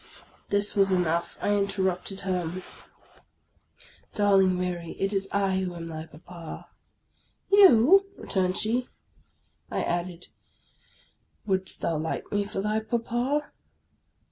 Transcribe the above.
This was enough. I interrupted her. " Darling Mary, it is / who am thy papa." "You!" returned she. I added, " Wouldst thou like me for thy papa